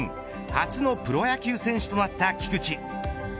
初のプロ野球選手となった菊地。